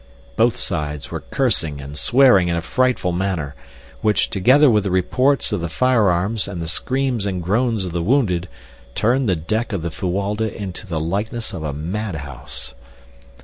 Both sides were cursing and swearing in a frightful manner, which, together with the reports of the firearms and the screams and groans of the wounded, turned the deck of the Fuwalda to the likeness of a madhouse.